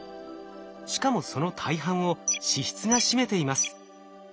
しかもその大半を脂質が占めています。